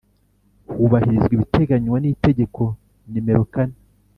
hubahirizwa ibiteganywa n Itegeko nimero kane